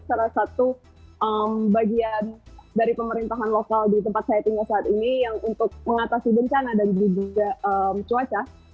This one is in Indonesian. salah satu bagian dari pemerintahan lokal di tempat saya tinggal saat ini yang untuk mengatasi bencana dan juga cuaca